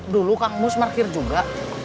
dulu kang mus markir juga